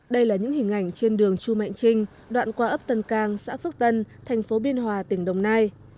đây là những hình ảnh trên đường chu mạnh trinh đoạn qua ấp tân cang xã phước tân thành phố biên hòa tỉnh đồng nai